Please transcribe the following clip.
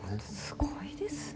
すごいですね。